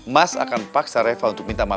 mas akan paksa reva untuk minta maaf